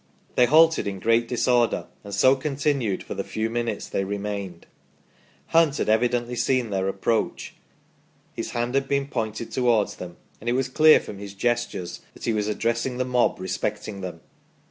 They halted in great disorder, and so continued for the few minutes they remained. Hunt had evidently seen their approach, his hand had been pointed towards them and it was clear from his gestures that he was addressing the mob respecting them."